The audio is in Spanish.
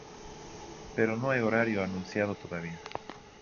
Pero no hay horario anunciado todavía.